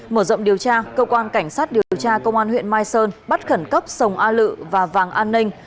mở rộng điều tra cơ quan cảnh sát điều tra công an huyện mai sơn bắt khẩn cấp sông a lự và vàng an ninh